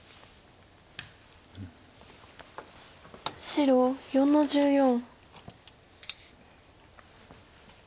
白４の十四。